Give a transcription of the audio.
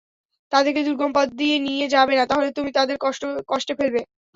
তাদেরকে দুর্গম পথ দিয়ে নিয়ে যাবে না, তাহলে তুমি তাদের কষ্টে ফেলবে।